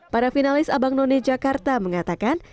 para finalis abangnone jakarta mengatakan